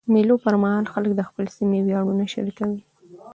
د مېلو پر مهال خلک د خپل سیمي ویاړونه شریکوي.